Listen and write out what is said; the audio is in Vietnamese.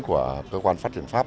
của cơ quan phát triển pháp